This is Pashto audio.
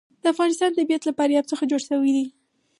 د افغانستان طبیعت له فاریاب څخه جوړ شوی دی.